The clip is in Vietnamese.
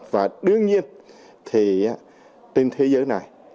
và đương nhiên thì trên thế giới này